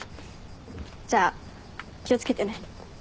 じゃあ気を付けてね。